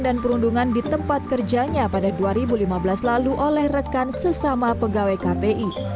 dan perundungan di tempat kerjanya pada dua ribu lima belas lalu oleh rekan sesama pegawai kpi